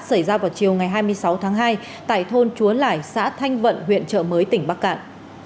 xảy ra vào chiều ngày hai mươi sáu tháng hai tại thôn chúa lẻi xã thanh vận huyện trợ mới tỉnh bắc cạn